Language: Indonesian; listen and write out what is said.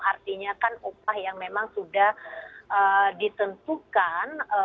artinya kan upah yang memang sudah ditentukan